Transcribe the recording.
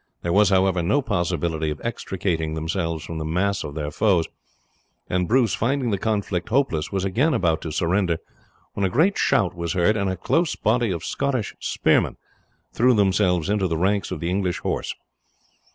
There was, however, no possibility of extricating themselves from the mass of their foes, and Bruce, finding the conflict hopeless, was again about to surrender when a great shout was heard, and a close body of Scottish spearmen threw themselves into the ranks of the English horse.